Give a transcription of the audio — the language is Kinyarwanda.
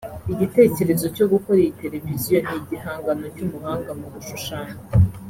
Igitekerezo cyo gukora iyi televiziyo ni igihangano cy’umuhanga mu gushushanya